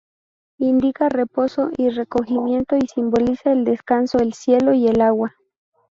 Indica reposo y recogimiento y simboliza el descanso, el cielo y el agua.